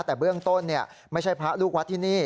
แต่เบื้องต้นไม่ใช่พระลูกวัดที่นี่